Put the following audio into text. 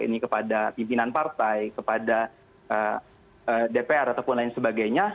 ini kepada pimpinan partai kepada dpr ataupun lain sebagainya